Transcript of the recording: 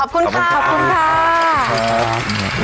ขอบคุณค่ะขอบคุณค่ะ